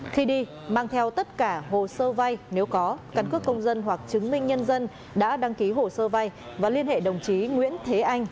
khi đi mang theo tất cả hồ sơ vay nếu có căn cước công dân hoặc chứng minh nhân dân đã đăng ký hồ sơ vay và liên hệ đồng chí nguyễn thế anh